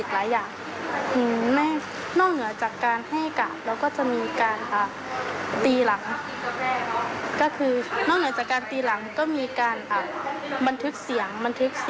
ว่าในตัวโทรศัพท์ของอาจารย์มันมีเสียงมันทึก